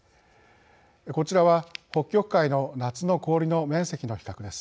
こちらは北極海の夏の氷の面積の比較です。